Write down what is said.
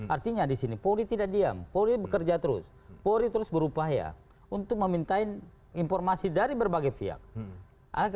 artinya di sini polri tidak diam polri bekerja terus polri terus berupaya untuk meminta informasi dari berbagai pihak